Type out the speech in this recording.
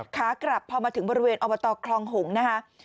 ขากลับพอมาถึงบริเวณอบตคลองหงษ์นะคะ